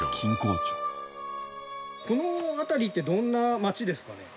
この辺りってどんな町ですかね？